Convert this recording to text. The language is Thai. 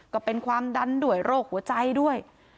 ก็เป็นความดันด้วยโรคหัวใจด้วย